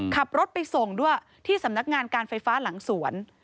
ขับรถไปส่งด้วยที่สำนักงานการไฟฟ้าหลังสวน